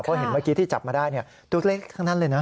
เพราะเห็นเมื่อกี้ที่จับมาได้ตัวเล็กทั้งนั้นเลยนะ